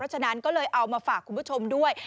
ฉะนั้นก็เลยเอามาฝากคุณผู้ชมด้วย